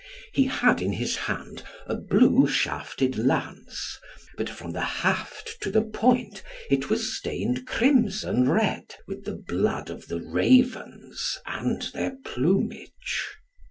He had in his hand a blue shafted lance, but from the haft to the point it was stained crimson red, with the blood of the Ravens and their plumage.